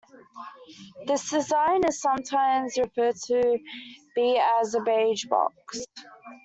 This design is sometimes referred to be as a "beige box".